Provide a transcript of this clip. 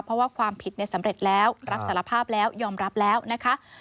เพราะว่าความผิดสำเร็จแล้วรับสารภาพแล้วยอมรับแล้วนะคะ